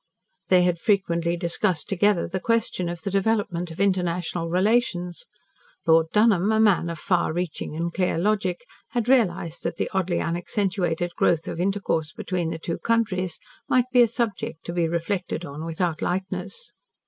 They had frequently discussed together the question of the development of international relations. Lord Dunholm, a man of far reaching and clear logic, had realised that the oddly unaccentuated growth of intercourse between the two countries might be a subject to be reflected on without lightness.